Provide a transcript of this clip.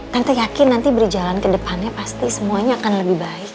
kan saya yakin nanti berjalan ke depannya pasti semuanya akan lebih baik